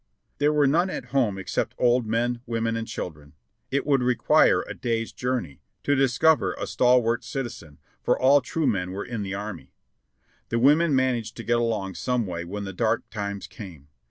There were none at home except old men, women and children. It would require a day's journey to discover a stalwart citizen, for all true men were in the army. The women managed to get along some way when the dark times came.